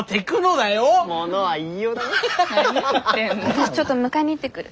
私ちょっと迎えに行ってくる。